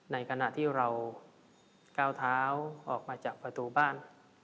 ในขณะที่เราก้าวเท้าออกมาจากประตูบ้าน